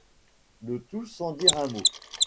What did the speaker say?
Le tout sans dire un mot.